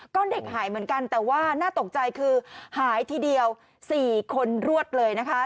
ก็เด็กหายเหมือนกันแต่ว่าน่าตกใจคือหายทีเดียว๔คนรวดเลยนะคะ